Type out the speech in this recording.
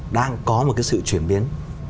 đang có một cái sự chuyển biến